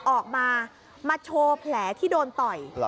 ออกมามาโชว์แผลที่โดนต่อย